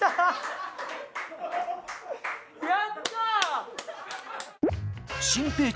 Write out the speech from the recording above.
やった！